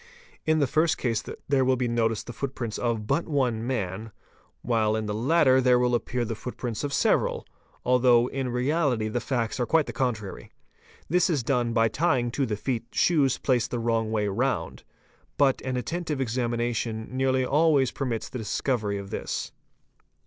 In the first case there will be noticed the footprint of but one man, while in the latter there will appear the footprints of several, although in reality the facts are quite the contrary. This is done by tying to the feet shoes placed the wrong way round ; but an attentive examination nearly always permits the discovery of this.